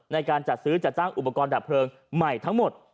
ในการจัดซื้อจัดจ้างอุปกรณ์ดับเพลิงใหม่ทั้งหมด